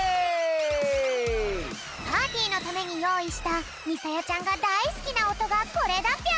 パーティーのためによういしたみさやちゃんがだいすきなおとがこれだぴょん。